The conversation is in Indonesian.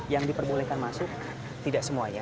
yang diperbolehkan masuk tidak semuanya